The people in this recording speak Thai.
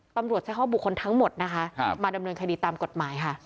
ปรับบุคคลทั้งหมดนะคะมาดำเนินคดีตามกฎหมายค่ะ